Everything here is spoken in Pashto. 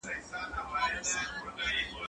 زه پرون سفر وکړ!.